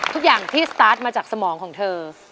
ทุกอย่างที่สตาร์ทมาจากสมองของเธอ